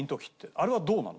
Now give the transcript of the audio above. あれはどうなの？